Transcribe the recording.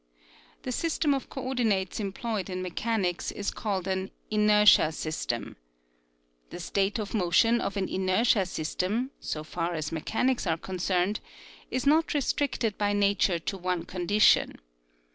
The system of coordinates employed in mechanics is called an inertia system. The state of motion of an inertia system, so far as mechanics are concerned, is not restricted by nature to one condition.